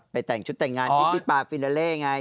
แต่งชุดแต่งงานที่พี่ปาฟินาเล่ไง